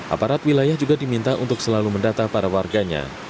aparat wilayah juga diminta untuk selalu mendata para warganya